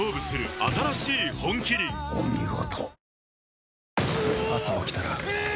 お見事。